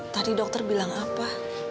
tadi dokter bilang apa